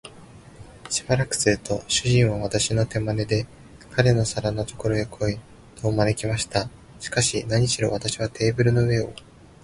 しばらくすると、主人は私を手まねで、彼の皿のところへ来い、と招きました。しかし、なにしろ私はテーブルの上を